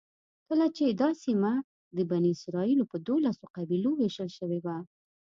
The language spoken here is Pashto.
کله چې دا سیمه د بني اسرایلو په دولسو قبیلو وېشل شوې وه.